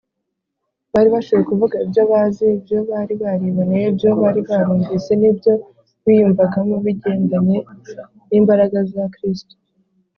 bari bashoboye kuvuga ibyo bazi, ibyo bari bariboneye, ibyo bari barumvise n’ibyo biyumvagamo bigendanye n’imbaraga za kristo